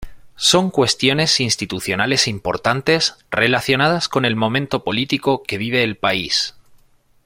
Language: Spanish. Son cuestiones institucionales importantes relacionadas con el momento político que vive el país.